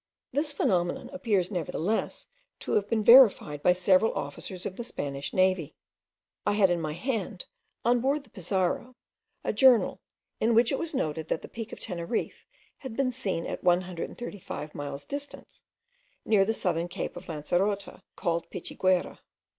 This phenomenon appears nevertheless to have been verified by several officers of the Spanish navy. I had in my hand, on board the Pizarro, a journal, in which it was noted, that the peak of Teneriffe had been seen at 135 miles distance, near the southern cape of Lancerota, called Pichiguera.